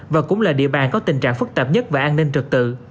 và cũng là địa bàn có tình trạng phức tạp nhất về an ninh trật tự